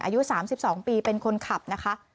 อายุ๓๒ปีเป็นคนขับนะคะ